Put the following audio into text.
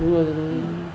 đúng rồi đúng rồi